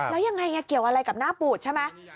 แล้วยังไงเกี่ยวอะไรกับหน้าปูดใช่ไหม